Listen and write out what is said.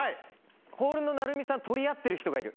ホールの奈瑠美さんを取り合ってる人がいる。